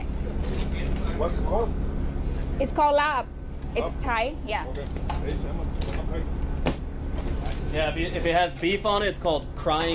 ขอบคุณมาก